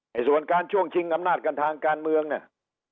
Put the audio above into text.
ส่วนการช่วงชิงอำนาจกันทางการเมืองเนี่ย